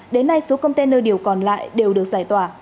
đến nay số container điều còn lại đều được giải tỏa